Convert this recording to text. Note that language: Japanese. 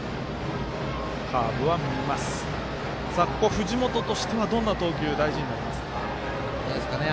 藤本としてはどんな投球大事になりますか？